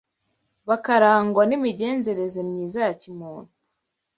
bakarangwa n’imigenzereze myiza ya kimuntu